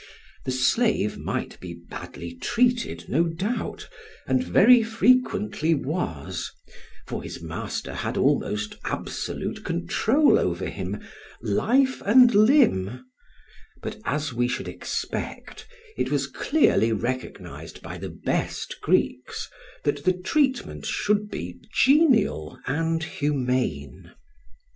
The slave might be badly treated, no doubt, and very frequently was, for his master had almost absolute control over him, life and limb; but, as we should expect, it was clearly recognised by the best Greeks that the treatment should be genial and humane.